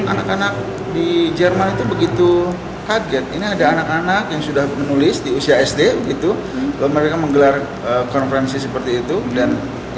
anak anak di jerman itu begitu kaget ini ada anak anak yang sudah menulis di usia sd gitu mereka menggelar konferensi seperti itu dan